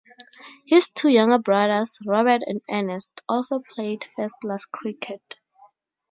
His two younger brothers, Robert and Ernest, also played first-class cricket.